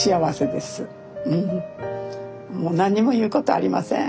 もう何も言うことありません。